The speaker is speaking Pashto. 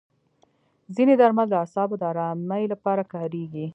ځینې درمل د اعصابو د ارامۍ لپاره کارېږي.